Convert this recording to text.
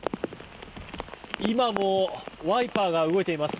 今もワイパーが動いています。